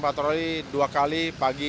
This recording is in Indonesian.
patroli dua kali pagi